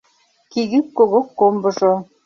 Кигик-когок комбыжо